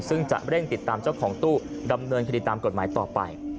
ซึ่งจะเร่งติดตามเจ้าของตู้ดำเนินคดีตามกฎหมายต่อไป